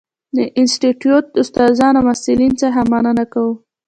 د انسټیټوت استادانو او محصلینو څخه مننه کوو.